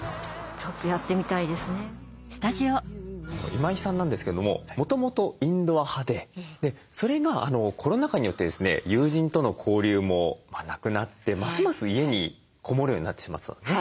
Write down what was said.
今井さんなんですけれどももともとインドア派でそれがコロナ禍によってですね友人との交流もなくなってますます家にこもるようになってしまってたんですね。